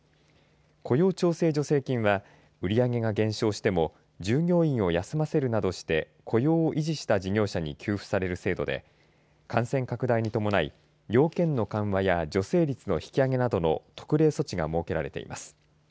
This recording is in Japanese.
雇用調整助成金は売り上げが減少しても従業員を休ませるなどして雇用を維持した事業者に給付される制度で感染拡大に伴い要件の緩和や助成率の引き上げなどの特例措置が設けられています。